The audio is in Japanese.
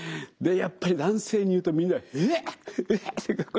でやっぱり男性に言うとみんな「ええっ？ええっ！」。